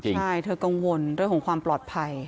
ใช่เธอกังวลเรื่องของความปลอดภัย